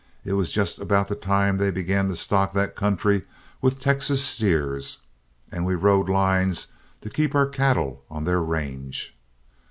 It was just about the time they began to stock that country with Texas steers, and we rode lines to keep our cattle on their range.